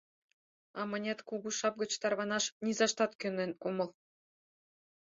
А мынет Кугу Шап гыч тарванаш низаштат кӧнен омыл.